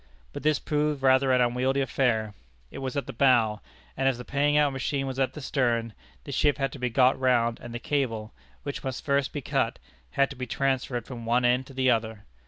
But this proved rather an unwieldy affair. It was at the bow, and as the paying out machine was at the stern, the ship had to be got round, and the cable, which must first be cut, had to be transferred from one end to the other.